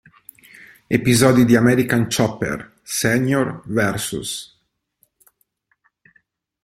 Episodi di American Chopper: Senior vs.